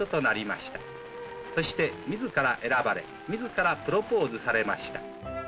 「そして自ら選ばれ自らプロポーズされました」